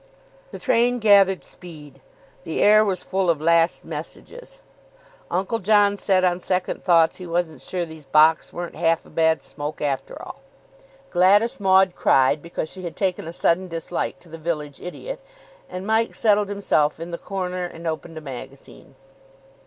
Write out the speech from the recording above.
The train gathered speed. The air was full of last messages. Uncle John said on second thoughts he wasn't sure these Bocks weren't half a bad smoke after all. Gladys Maud cried, because she had taken a sudden dislike to the village idiot; and Mike settled himself in the corner and opened a magazine.